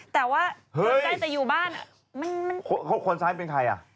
แต่ว่าไกลใกล่อู่บ้านผมคนซ้ายเป็นใครครับ